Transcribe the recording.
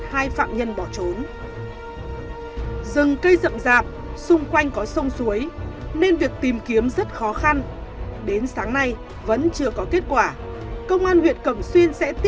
hai phạm nhân đã bị bắt giữ lúc một h bốn mươi năm phút ngày chín tháng một mươi hai